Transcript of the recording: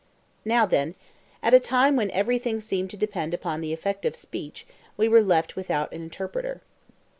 Now then, at a time when everything seemed to depend upon the effect of speech, we were left without an interpreter.